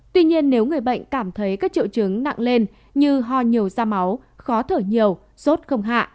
tuy nhiên nếu người bệnh cảm thấy các triệu chứng nặng lên như ho nhiều da máu khó thở nhiều sốt không hạ